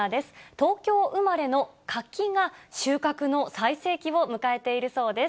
東京生まれの柿が、収穫の最盛期を迎えているそうです。